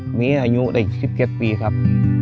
มีอายุได้๑๗ปีครับ